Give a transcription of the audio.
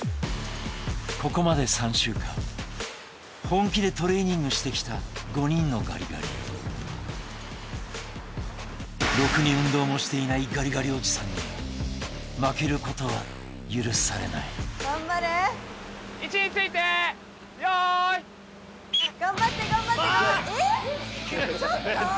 ここまで３週間本気でトレーニングしてきた５人のガリガリろくに運動もしていないガリガリおじさんに負けることは許されない位置について用意ああっ！